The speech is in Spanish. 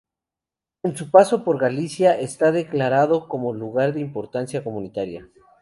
En su paso por Galicia está declarado como Lugar de Importancia Comunitaria.